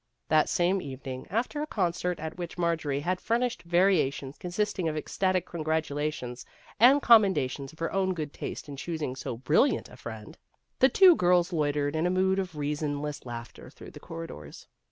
That same evening, after a concert at which Marjorie had furnished variations consisting of ecstatic congratulations and commendations of her own good taste in choosing so brilliant a friend, the two girls loitered in a mood of reasonless laughter through the corridors.